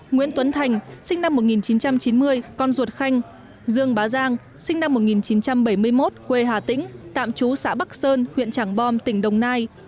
nguyễn tuấn thành sinh năm một nghìn chín trăm chín mươi con ruột khanh dương bá giang sinh năm một nghìn chín trăm bảy mươi một quê hà tĩnh tạm trú xã bắc sơn huyện trảng bom tỉnh đồng nai